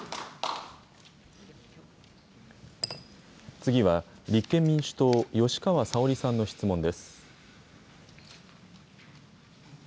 次は、立憲民主党、吉川沙織さんの質問です。